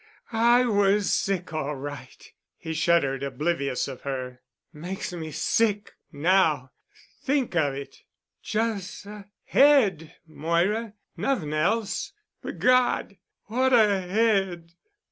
"Ah, I was sick awright——" he shuddered, oblivious of her. "Makes me sick now—think of it. Jus' a head, Moira, nothin' else. But God! What a head!"